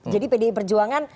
jadi pdi perjuangan